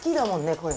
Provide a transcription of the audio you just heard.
これ。